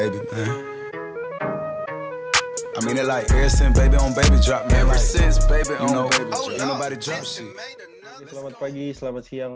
selamat pagi selamat siang